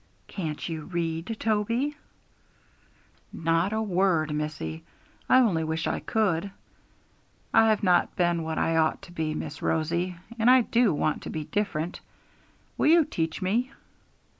'Can't you read, Toby?' 'Not a word, missie; I only wish I could. I've not been what I ought to be, Miss Rosie; and I do want to do different. Will you teach me?'